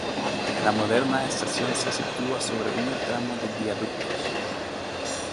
La moderna estación se sitúa sobre un tramo de viaductos.